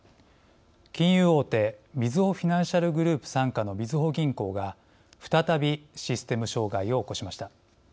金融大手「みずほフィナンシャルグループ」傘下のみずほ銀行が再びシステム障害を起こしました。